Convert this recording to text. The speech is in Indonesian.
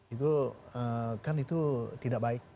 itu kan itu tidak baik